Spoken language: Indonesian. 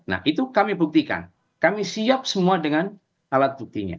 nah itu kami buktikan kami siap semua dengan alat buktinya